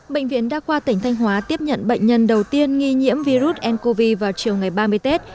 bệnh viện đa khoa tỉnh thanh hóa tiếp nhận bệnh nhân đầu tiên nghi nhiễm virus ncov vào chiều ngày ba mươi tết